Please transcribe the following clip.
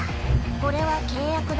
これは契約だ。